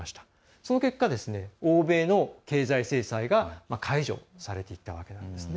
その結果、欧米の経済制裁が解除されていったわけなんですね。